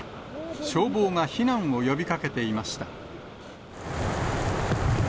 消防が避難を呼びかけていました。